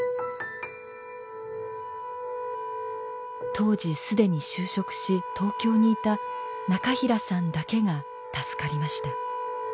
当時既に就職し東京にいた中平さんだけが助かりました。